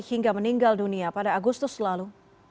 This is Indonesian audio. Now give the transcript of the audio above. hingga meninggal dunia pada agustus lalu